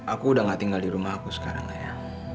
aku udah gak tinggal di rumah aku sekarang lah ya